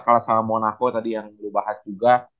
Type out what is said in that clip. kalah sama monaco tadi yang dibahas juga